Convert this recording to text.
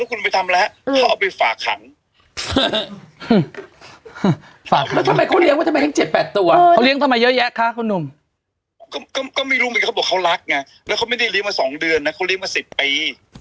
ก็ไม่รู้เพราะเขาบอกว่าเขารักไงแล้วเขาไม่ได้เลี้ยงมาสองเดือนนะเขาเลี้ยงมาสิบปี